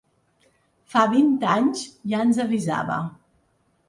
Fa vint anys ja ens avisava.